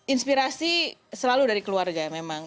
inspirasi selalu dari keluarga memang